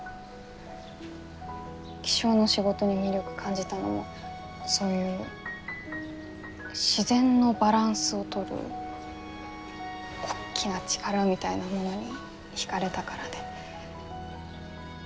気象の仕事に魅力感じたのもそういう自然のバランスを取る大きな力みたいなものに引かれたからで。